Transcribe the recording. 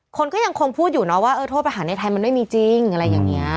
คนก็ยังคงพูดอยู่เนาะว่าเออโทษประหารในไทยมันไม่มีจริงอะไรอย่างนี้